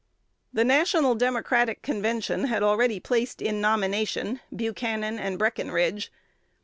The National Democratic Convention had already placed in nomination Buchanan and Breckenridge.